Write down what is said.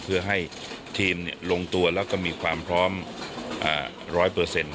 เพื่อให้ทีมลงตัวแล้วก็มีความพร้อมร้อยเปอร์เซ็นต์